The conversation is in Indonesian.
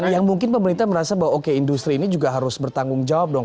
yang mungkin pemerintah merasa bahwa oke industri ini juga harus bertanggung jawab dong